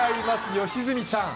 良純さん